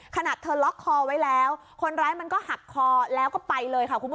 ขนาดเธอล็อกคอไว้แล้วคนร้ายมันก็หักคอแล้วก็ไปเลยค่ะคุณผู้ชม